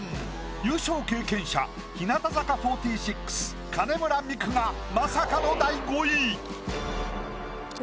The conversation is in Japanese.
優勝経験者日向坂４６・金村美玖がまさかの第５位。